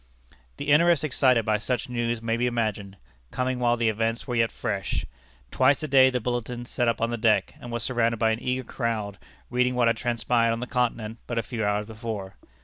The interest excited by such news may be imagined, coming while the events were yet fresh. Twice a day was the bulletin set up on the deck, and was surrounded by an eager crowd reading what had transpired on the Continent but a few hours before.